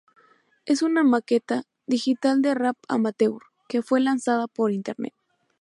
Es una "maqueta" digital de rap "amateur" que fue lanzada por internet.